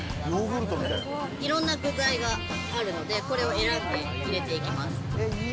いろんな具材があるので、これを選んで入れていきます。